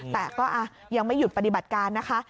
แต่ก็ยังไม่หยุดปฏิบัติการนะคะ